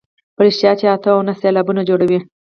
په رښتیا چې اته او نهه سېلابه جوړوي.